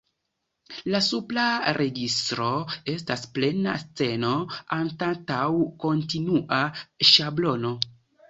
La supra registro estas plena sceno, anstataŭ kontinua ŝablono.